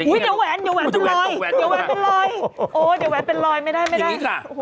อุ๊ยเดี๋ยวแหวนเป็นรอยโอ้โฮเดี๋ยวแหวนเป็นรอยไม่ได้อย่างนี้ก่อน